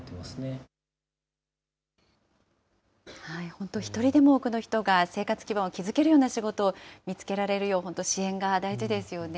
本当、一人でも多くの人が生活基盤を築けるような仕事を見つけられるよう、本当、支援が大事ですよね。